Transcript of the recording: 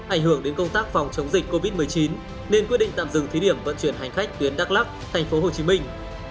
ảnh hưởng đến công tác phòng chống dịch covid một mươi chín nên quyết định tạm dừng thí điểm vận chuyển hành khách tuyến đắk lắc thành phố hồ chí minh